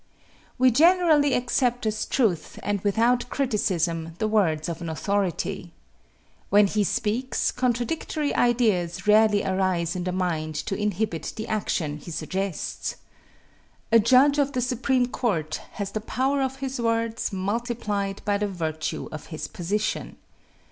_ We generally accept as truth, and without criticism, the words of an authority. When he speaks, contradictory ideas rarely arise in the mind to inhibit the action he suggests. A judge of the Supreme Court has the power of his words multiplied by the virtue of his position.